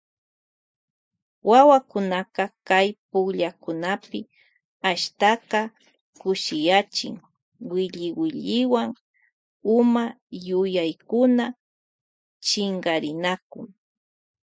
Wawakunaka kay punllakunapi ashtaka kushiyachiy williwilliwan huma yuyaykuna chinkarinakun.